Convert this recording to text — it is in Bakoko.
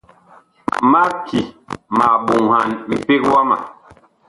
Mag ki ma ɓoŋhan mpeg wama.